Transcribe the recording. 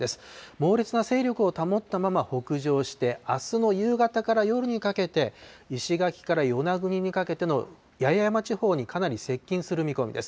猛烈な勢力を保ったまま北上して、あすの夕方から夜にかけて、石垣から与那国にかけての八重山地方にかなり接近する見込みです。